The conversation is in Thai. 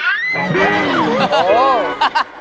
อ้าวไม่เป็นไร